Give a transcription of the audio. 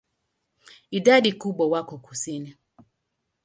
Idadi kubwa wako kusini.